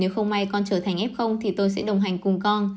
nếu không may con trở thành f thì tôi sẽ đồng hành cùng con